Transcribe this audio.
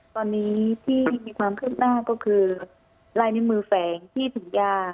ตอนนี้ที่มีความคืบหน้าก็คือลายนิ้วมือแฝงที่ถุงยา